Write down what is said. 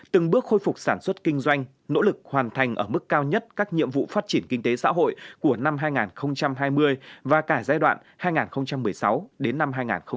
từng bước khôi phục sản xuất kinh doanh nỗ lực hoàn thành ở mức cao nhất các nhiệm vụ phát triển kinh tế xã hội của năm hai nghìn hai mươi và cả giai đoạn hai nghìn một mươi sáu đến năm hai nghìn hai mươi